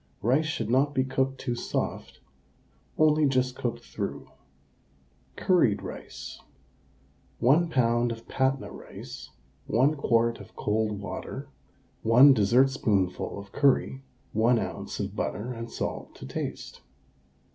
Rice should not be cooked too soft, only just cooked through. CURRIED RICE. 1 lb. of Patna rice, 1 quart of cold water, 1 dessertspoonful of curry, 1 oz. of butter, and salt to taste.